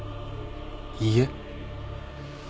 いいえ。